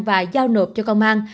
và giao nộp cho công an